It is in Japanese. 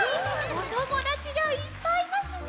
おともだちがいっぱいいますね！